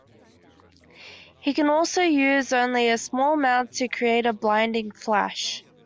He can also use only a small amount to create a blinding flash.